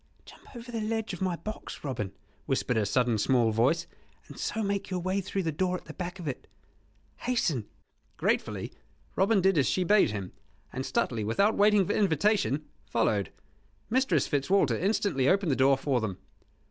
"Jump over the ledge of my box, Robin," whispered a sudden small voice, "and so make your way through the door at the back of it. Hasten!" Gratefully Robin did as she bade him; and Stuteley, without waiting for invitation, followed. Mistress Fitzwalter instantly opened the door for them.